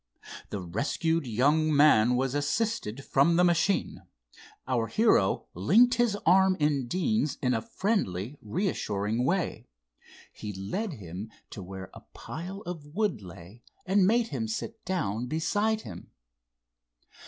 The rescued young man was assisted from the machine. Our hero linked his arm in Deane's in a friendly, reassuring way. He led him to where a pile of wood lay and made him sit down beside him.